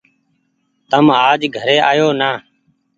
تم آج گهري آيو نآ ۔